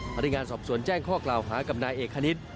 พนักงานสอบสวนแจ้งข้อกล่าวหากับนายเอกคณิต